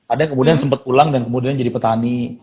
ada yang kemudian sempat pulang dan kemudian jadi petani